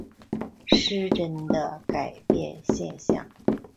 失真的改变现象。